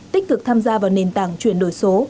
tích cực tham gia vào nền tảng chuyển đổi số